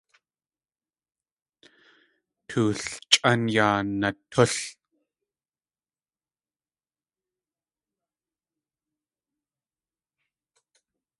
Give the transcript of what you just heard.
Toolchʼán yaa natúl.